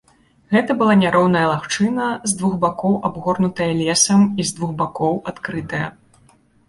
Гэта была няроўная лагчына, з двух бакоў абгорнутая лесам і з двух бакоў адкрытая.